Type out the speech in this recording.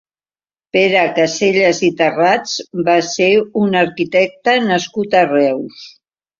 Pere Caselles i Tarrats va ser un arquitecte nascut a Reus.